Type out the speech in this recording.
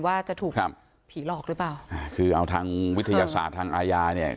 ว่าจะถูกผีหลอกหรือเปล่าคือเอาทางวิทยาศาสตร์ทางอาญาเนี่ย